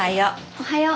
おはよう。